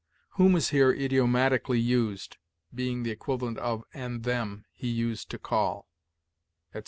'Whom' is here idiomatically used, being the equivalent of 'and them he used to call,' etc.